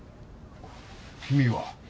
君は？